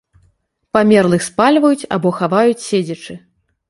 Памерлых спальваюць або хаваюць седзячы.